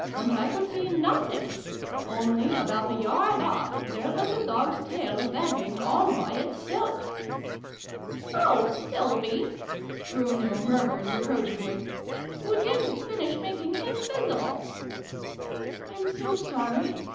And I could see nothing ! Only, about a yard off, there was a dog's tail, wagging, all by itself! " "Oh, Sylvie /" Bruno murmured reproach fully. " Oo didn't finish making him visible !" "I'm so sorry!"